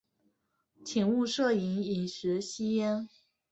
请勿摄影、饮食、吸烟